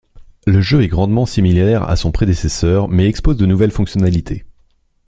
Le jeu est grandement similaire à son prédécesseur, mais expose de nouvelles fonctionnalités.